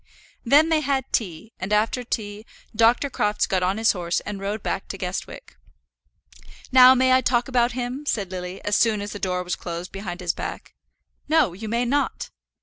Then they had tea, and after tea Dr. Crofts got on his horse and rode back to Guestwick. "Now may I talk about him?" said Lily, as soon as the door was closed behind his back. "No; you may not."